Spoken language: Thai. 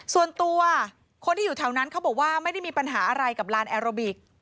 ส่วนตัวคนที่อยู่แถวนั้นเขาบอกว่าไม่ได้มีปัญหาอะไรกับลานแอโรบิก